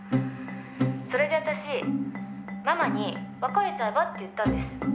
「それで私ママに別れちゃえばって言ったんです」